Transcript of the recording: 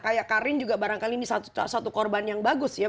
kayak karin juga barangkali ini satu korban yang bagus ya